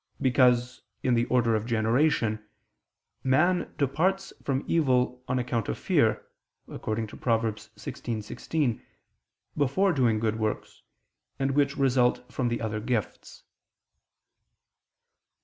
Because, in the order of generation, man departs from evil on account of fear (Prov. 16:16), before doing good works, and which result from the other gifts.